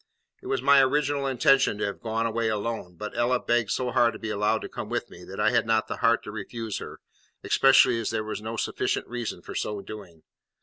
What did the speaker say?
It was my original intention to have gone away alone, but Ella begged so hard to be allowed to come with me that I had not the heart to refuse her, especially as there was no sufficient reason for so doing.